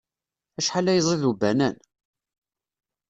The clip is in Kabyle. Acḥal ay ẓid ubanan.